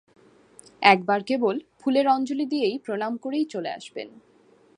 একবার কেবল ফুলের অঞ্জলি দিয়ে প্রণাম করেই চলে আসবেন।